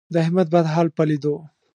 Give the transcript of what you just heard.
د احمد بد حال په لیدو،